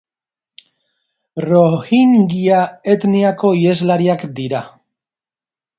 Rohingya etniako iheslariak dira.